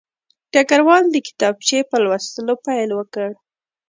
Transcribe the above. ډګروال د کتابچې په لوستلو پیل وکړ